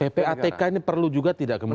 ppatk ini perlu juga tidak kemudian